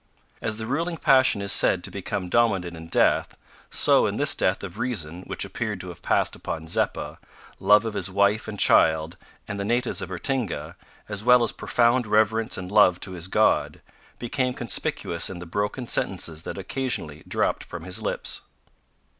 As the ruling passion is said to become dominant in death, so, in this death of reason which appeared to have passed upon Zeppa, love of his wife and child and the natives of Ratinga, as well as profound reverence and love to his God, became conspicuous in the broken sentences that occasionally dropped from his lips.